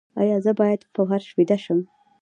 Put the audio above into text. ایا زه باید په فرش ویده شم؟